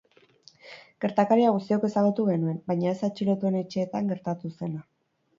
Gertakaria guztiok ezagutu genuen, baina ez atxilotuen etxeetan gertatu zena.